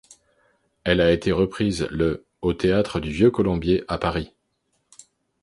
Elle a été reprise le au théâtre du Vieux-Colombier à Paris.